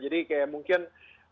jadi kayak mungkin